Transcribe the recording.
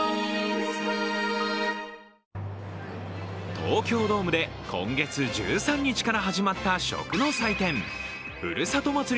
東京ドームで今月１３日から始まった食の祭典、ふるさと祭り